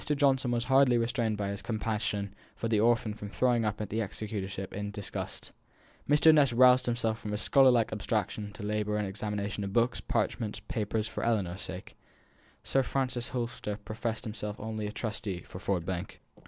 Johnson was hardly restrained by his compassion for the orphan from throwing up the executorship in disgust. Mr. Ness roused himself from his scholarlike abstraction to labour at the examination of books, parchments, and papers, for Ellinor's sake. Sir Frank Holster professed himself only a trustee for Ford Bank.